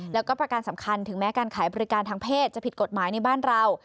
แล้วก็ประการสำคัญถึงแม้การขายบริการทางเพศจะผิดกฎหมายในบ้านเรา